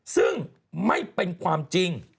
ซึ่งไม่เป็นความจริง